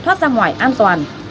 thoát ra ngoài an toàn